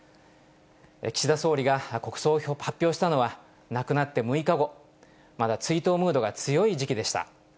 岸田総理が国葬を発表したのは、亡くなって６日後、まだ追悼ムードが強い時期でした。